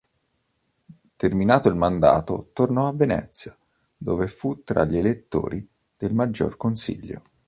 Terminato il mandato tornò a Venezia dove fu tra gli elettori del Maggior Consiglio.